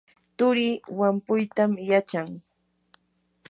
turii wampuytam yachan.